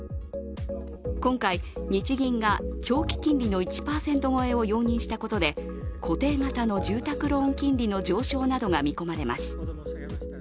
今回、日銀が長期金利の１％超えを容認したことで固定型の住宅ローン金利の上昇などが見込まれます。